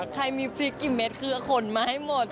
ใครมีพริกกี่เม็ดคือขนมาให้หมด